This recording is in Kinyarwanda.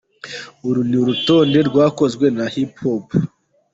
Uru ni urutonde rwakozwe na Hipipo.